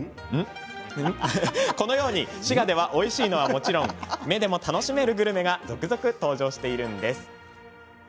このように、滋賀ではおいしいのはもちろん目でも楽しめるグルメが続々、登場しているんです。